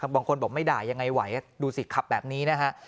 บางคนบอกไม่ด่ายังไงไหวดูสิขับแบบนี้นะฮะ